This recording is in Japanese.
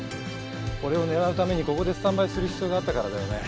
俺を狙うためにここでスタンバイする必要があったからだよね。